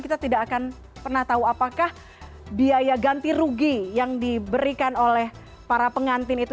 kita tidak akan pernah tahu apakah biaya ganti rugi yang diberikan oleh para pengantin itu